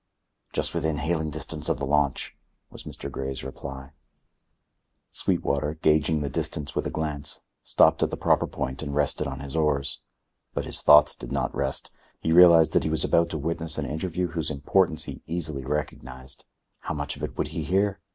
"Just within hailing distance of the launch," was Mr. Grey's reply. Sweetwater, gaging the distance with a glance, stopped at the proper point and rested on his oars. But his thoughts did not rest. He realized that he was about to witness an interview whose importance he easily recognized. How much of it would he hear?